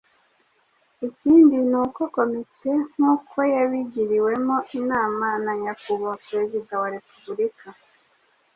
Ikindi ni uko Komite, nk'uko yabigiriwemo inama na Nyakubahwa Perezida wa Repubulika,